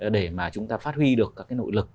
để mà chúng ta phát huy được các cái nội lực